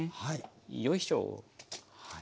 よいしょ。